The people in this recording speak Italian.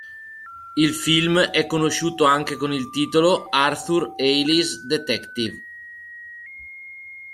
Il film è conosciuto anche con il titolo "Arthur Hailey's Detective".